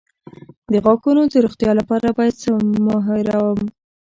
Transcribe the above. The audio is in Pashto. د غاښونو د روغتیا لپاره باید څه مه هیروم؟